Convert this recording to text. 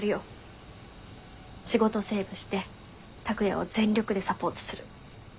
仕事セーブして拓哉を全力でサポートする。